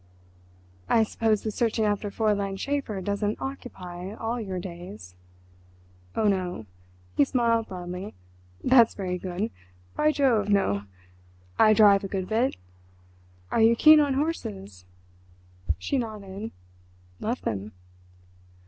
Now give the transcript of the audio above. "I suppose the searching after Fräulein Schäfer doesn't occupy all your days." "Oh no"—he smiled broadly—"that's very good! By Jove! no. I drive a good bit—are you keen on horses?" She nodded. "Love them."